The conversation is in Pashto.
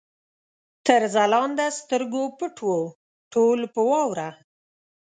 تر ځلانده سترګو پټ وو، ټول په واوره